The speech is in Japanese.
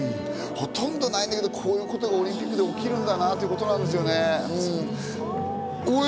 ほとんどないんだけど、こういうことがオリンピックで起きるんだなぁということですね。